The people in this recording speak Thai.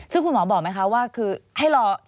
ซึ่งคุณหมอบอกไหมคะว่าคือให้รอ